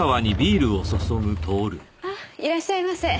あっいらっしゃいませ。